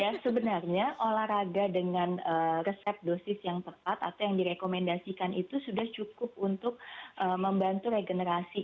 ya sebenarnya olahraga dengan resep dosis yang tepat atau yang direkomendasikan itu sudah cukup untuk membantu regenerasi